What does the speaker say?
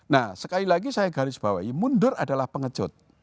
nah sekali lagi saya garis bawahi mundur adalah pengecut